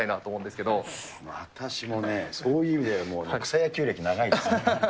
けれ私もね、そういう意味では、草野球歴長いですから。